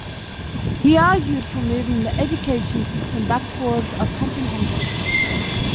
He argued for moving the education system back towards a comprehensive system.